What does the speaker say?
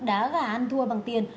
đá gà ăn thua bằng tiền